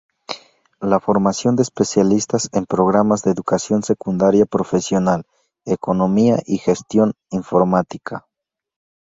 La formación de especialistas en programas de educación secundaria profesional: "Economía y Gestión", "Informática".